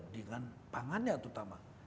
dengan pangannya yang utama